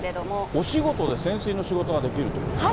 お仕事で潜水の仕事ができるっていうことですか？